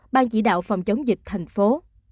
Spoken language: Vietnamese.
ban chỉ đạo phòng chống dịch thành phố